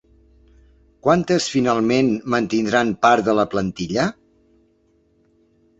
Quantes finalment mantindran part de la plantilla?